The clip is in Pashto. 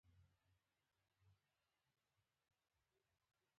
د ژړا او د خندا انداز یې یو دی.